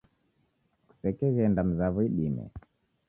Kusekeghenda mzaw'o idime.